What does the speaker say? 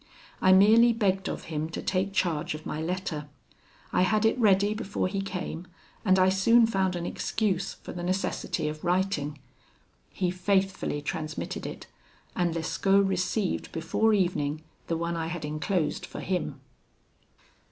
I merely begged of him to take charge of my letter; I had it ready before he came, and I soon found an excuse for the necessity of writing. He faithfully transmitted it, and Lescaut received before evening the one I had enclosed for him.